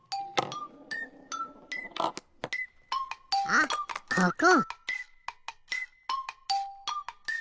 あっここ！